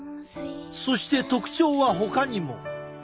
そして特徴はほかにも。